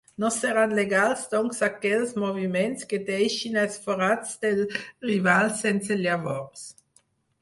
No seran legals doncs aquells moviments que deixin els forats del rival sense llavors.